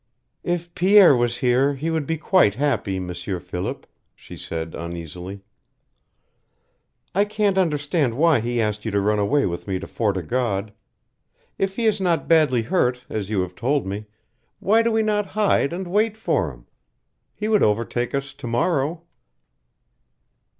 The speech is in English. "If Pierre was here we would be quite happy, M'sieur Philip," she said, uneasily. "I can't understand why he asked you to run away with me to Fort o' God. If he is not badly hurt, as you have told me, why do we not hide and wait for him? He would overtake us to morrow."